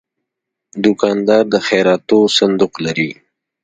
دوکاندار د خیراتو صندوق لري.